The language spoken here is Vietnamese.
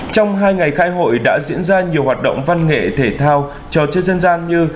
trong hai ngày khai hội đã diễn ra nhiều hoạt động văn nghệ thể thao trò chơi dân gian như